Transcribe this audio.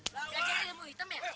dia kira ilmu hitam ya